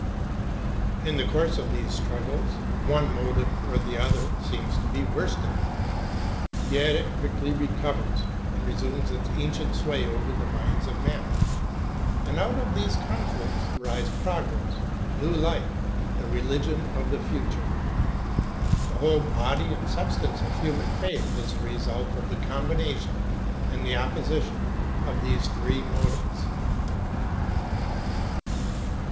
In the course of these struggles, one motive or the other seems to be worsted, yet it quickly recovers and resumes its ancient sway over the minds of men, and out of these conflicts arise progress, new life, the religion of the future. The whole body and substance of human faith is the result of the combination and the opposition of these three motives.